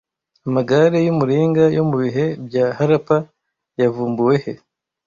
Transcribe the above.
Amagare y'umuringa yo mu bihe bya Harappa yavumbuwe he